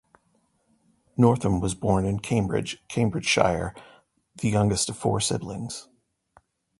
Northam was born in Cambridge, Cambridgeshire, the youngest of four siblings.